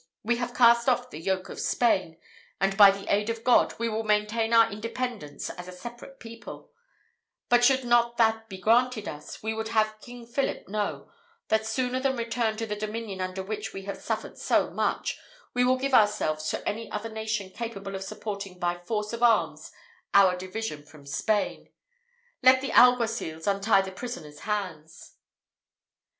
We have cast off the yoke of Spain, and, by the aid of God, we will maintain our independence as a separate people; but should not that be granted us, we would have King Philip know, that sooner than return to the dominion under which we have suffered so much, we will give ourselves to any other nation capable of supporting by force of arms our division from Spain. Let the alguacils untie the prisoner's hands."